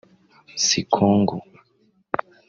Sikongo